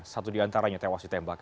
satu di antaranya tewas ditembak